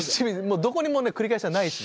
どこにもね繰り返しはないです。